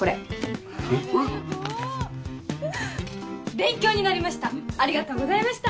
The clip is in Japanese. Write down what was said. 勉強になりました